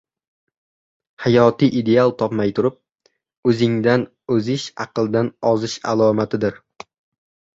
Hayotiy ideal topmay turib, o‘zingdan o‘zish aqldan osish alomatidir.